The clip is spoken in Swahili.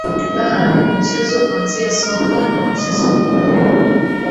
aa ya michezo kwanzia soka na michezo mingineyo